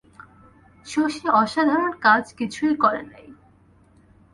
শশী অসাধারণ কাজ কিছুই করে নাই।